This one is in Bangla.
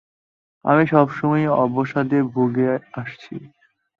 আমি সবসমই অবসাদে ভুগে আসছি।